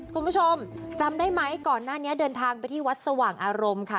คุณผู้ชมจำได้ไหมก่อนหน้านี้เดินทางไปที่วัดสว่างอารมณ์ค่ะ